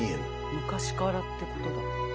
昔からってことだ。